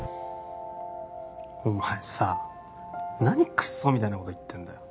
お前さ何クッソみたいなこと言ってんだよ